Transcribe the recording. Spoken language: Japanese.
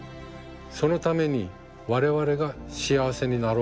そのために我々が幸せになろうとすること。